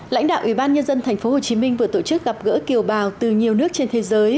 lãnh đạo ủy ban nhân dân tp hcm vừa tổ chức gặp gỡ kiều bào từ nhiều nước trên thế giới